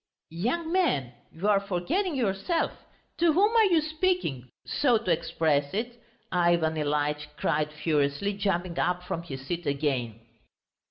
"Young man, you are forgetting yourself! To whom are you speaking, so to express it?" Ivan Ilyitch cried furiously, jumping up from his seat again.